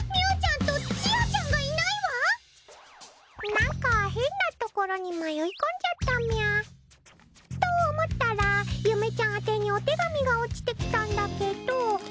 なんか変なところに迷い込んじゃったみゃ。と思ったらゆめちゃん宛にお手紙が落ちてきたんだけど。